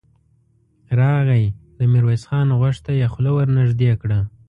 راغی، د ميرويس خان غوږ ته يې خوله ور نږدې کړه.